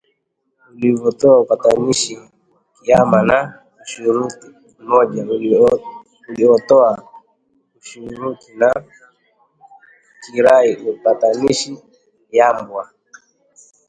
uliyotoa upatanishi kiima na ushuruti moja uliotoa ushuruti na kirai upatanishi yambwa